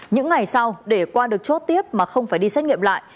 những ngày sau để qua được chốt tiếp mà không phải đi xét nghiệm lại